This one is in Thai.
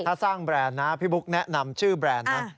ถ้าสร้างแบรนด์นะพี่บุ๊กแนะนำชื่อแบรนด์นะ